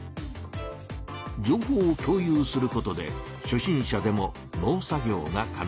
情報を共有することで初心者でも農作業が可能になりました。